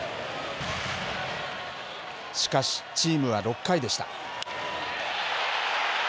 しかし、チームは６回でした。